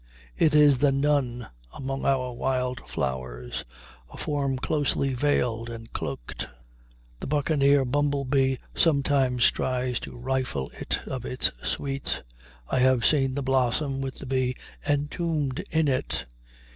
It is the nun among our wild flowers, a form closely veiled and cloaked. The buccaneer bumblebee sometimes tries to rifle it of its sweets. I have seen the blossom with the bee entombed in it.